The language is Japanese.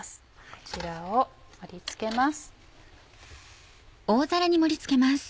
こちらを盛り付けます。